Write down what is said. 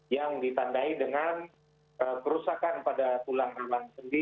yang ditandai dengan kerusakan pada tulang tulang sendi